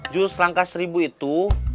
jurus langkah seribu itu